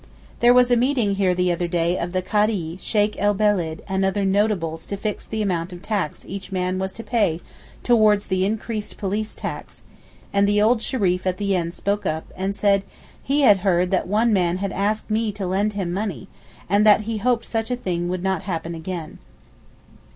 There was a meeting here the other day of the Kadee, Sheykh el Beled, and other notables to fix the amount of tax each man was to pay towards the increased police tax; and the old Shereef at the end spoke up, and said he had heard that one man had asked me to lend him money, and that he hoped such a thing would not happen again.